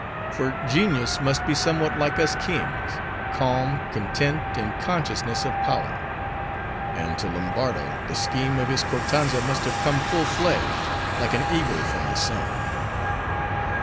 For, genius must be somewhat like us kings,—calm, content, in consciousness of power. And to Lombardo, the scheme of his Kortanza must have come full fledged, like an eagle from the sun.